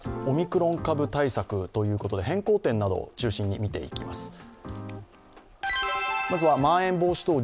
オミクロン株対策ということで、変更点などを中心に見ていきます。